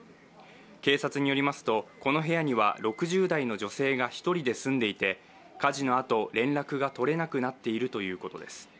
警察によりますと、この部屋には６０代の女性が１人で住んでいて火事のあと、連絡が取れなくなっているということです。